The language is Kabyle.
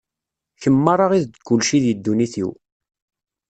Kemm merra i d kulci di ddunit-iw.